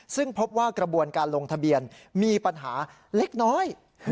ซึ่งพบว่ากระบวนการลงทะเบียนมีปัญหาเล็กน้อย